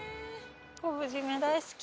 昆布締め大好き。